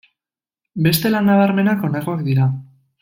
Beste lan nabarmenak honakoak dira.